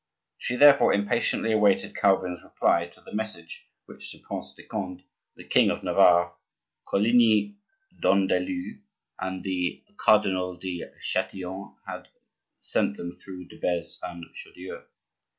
She therefore impatiently awaited Calvin's reply to the message which the Prince de Conde, the king of Navarre, Coligny, d'Andelot, and the Cardinal de Chatillon had sent him through de Beze and Chaudieu.